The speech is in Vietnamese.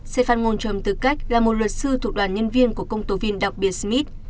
sê phát ngôn trầm tư cách là một luật sư thuộc đoàn nhân viên của công tố viên đặc biệt smith